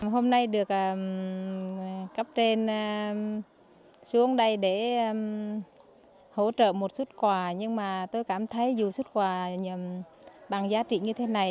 hôm nay được cấp trên xuống đây để hỗ trợ một xuất quà nhưng mà tôi cảm thấy dù xuất quà bằng giá trị như thế này